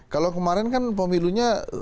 kalau kemarin kan pemilunya